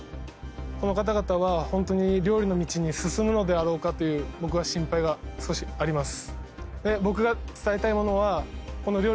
この方々は本当に料理の道に進むのであろうかという僕は心配が少しあります